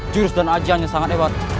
jurus dan ajiannya sangat hebat